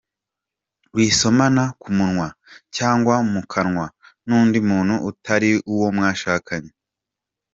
Wisomana ku munwa cyangwa mu kanwa n’undi muntu utari uwo mwashanye.